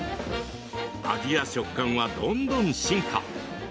味や食感はどんどん進化。